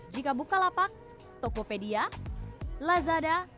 jika bukalapak tokopedia lazada